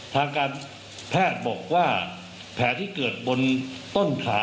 ทางการแพทย์บอกว่าแผลที่เกิดบนต้นขา